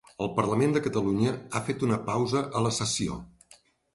El Parlament de Catalunya ha fet una pausa a la sessió